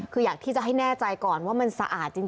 คืออยากที่จะให้แน่ใจก่อนว่ามันสะอาดจริง